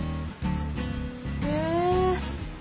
へえ。